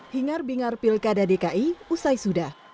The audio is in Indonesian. hingar bingar pilkada dki usai sudah